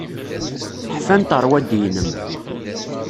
Ḥfant rrwaḍi-inem.